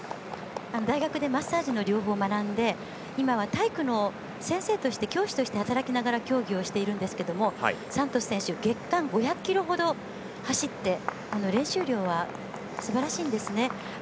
大学でマッサージの療法を学んで体育の先生として教師として働きながら競技をしているんですがサントス選手月間５００ｋｍほど走って練習量はすばらしいんですね。